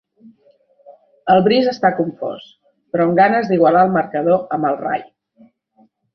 El Brice està confós, però amb ganes d'igualar el marcador amb el Ray.